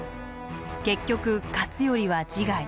結局勝頼は自害。